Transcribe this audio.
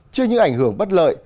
trước những ảnh hưởng bất lợi